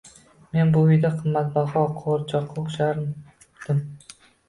Men bu uyda qimmatbaho qo`g`irchoqqa o`xshardim